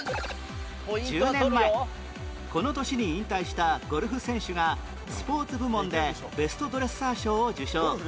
１０年前この年に引退したゴルフ選手がスポーツ部門でベストドレッサー賞を受賞